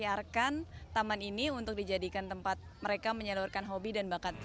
biarkan taman ini untuk dijadikan tempat mereka menyalurkan hobi dan bakat